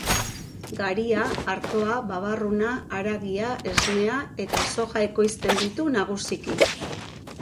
Garia, artoa, babarruna, haragia, esnea eta soja ekoizten ditu nagusiki.